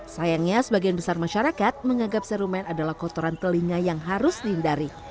sayangnya sebagian besar masyarakat menganggap serumen adalah kotoran telinga yang harus dihindari